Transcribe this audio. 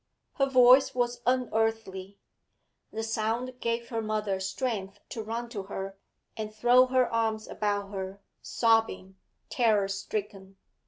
Her voice was unearthly. The sound gave her mother strength to run to her, and throw her arms about her, sobbing, terror stricken.